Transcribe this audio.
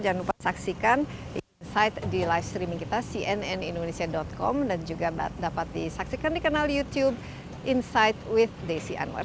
jangan lupa saksikan insight di live streaming kita cnnindonesia com dan juga dapat disaksikan di kanal youtube insight with desi anwar